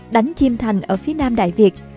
đánh chiêm thành ở phía nam đại việt